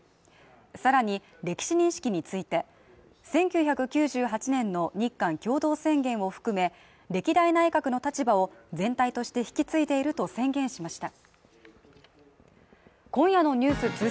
さらに歴史認識について１９９８年の日韓共同宣言を含め歴代内閣の立場を全体として引き継いでいると宣言しました。